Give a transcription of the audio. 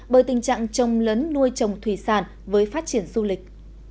bởi tình trạng trông lấn nuôi trồng thủy sản với phát triển du lịch